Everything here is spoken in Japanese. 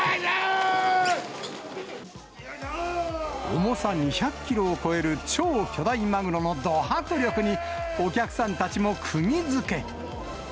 重さ２００キロを超える超巨大マグロのど迫力に、お客さんたちもくぎづけ。